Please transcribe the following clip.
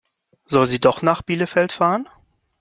Soll sie doch nach Bielefeld fahren?